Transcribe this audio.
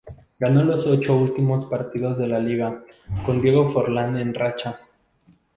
Ganó los ocho últimos partidos de la Liga, con Diego Forlán en racha.